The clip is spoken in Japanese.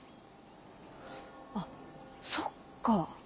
あそっか。